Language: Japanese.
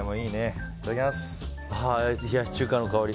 冷やし中華の香り。